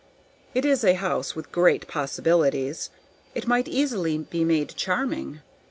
It is a house with great possibilities; it might easily be made charming.